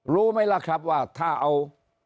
รู้ไหมล่ะครับว่าถ้าเอา